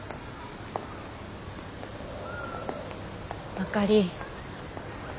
あかり。